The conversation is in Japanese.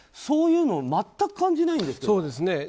そういうのを全く感じないんですよね。